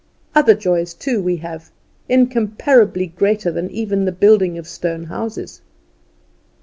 Other joys too we have incomparably greater then even the building of stone houses.